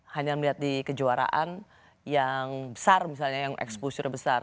hanya melihat di kejuaraan yang besar misalnya yang exposure besar